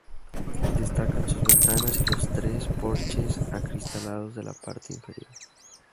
Destacan sus ventanas y los tres porches acristalados de la parte inferior.